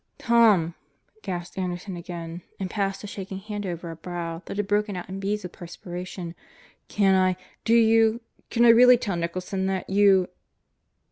"My God, Tom!" gasped Anderson again, and passed a shak ing hand over a brow that had broken out in beads of 'perspiration. "Can I ... Do you ... Can I ^really tell Nicholson that you